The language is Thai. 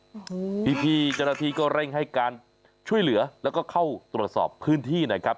โอ้โหพี่พี่เจ้าหน้าที่ก็เร่งให้การช่วยเหลือแล้วก็เข้าตรวจสอบพื้นที่นะครับ